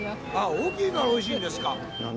大きいからおいしいんですか。